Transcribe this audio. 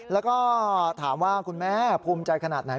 แล้วก็ถามว่าคุณแม่ภูมิใจขนาดไหน